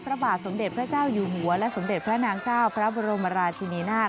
พระบาทสมเด็จพระเจ้าอยู่หัวและสมเด็จพระนางเจ้าพระบรมราชินีนาฏ